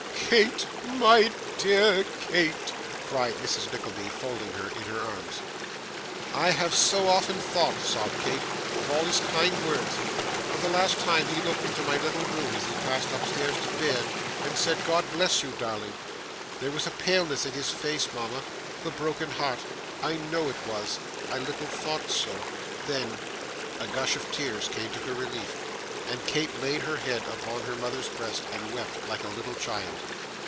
'Kate my dear, Kate,' cried Mrs. Nickleby, folding her in her arms. 'I have so often thought,' sobbed Kate, 'of all his kind words of the last time he looked into my little room, as he passed upstairs to bed, and said "God bless you, darling." There was a paleness in his face, mama the broken heart I know it was I little thought so then ' A gush of tears came to her relief, and Kate laid her head upon her mother's breast, and wept like a little child.